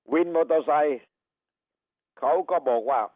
วินมอเตอร์ไซค์เขาก็บอกว่า